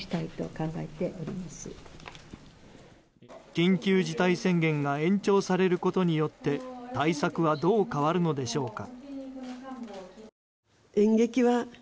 緊急事態宣言が延長されることによって対策はどう変わるのでしょうか。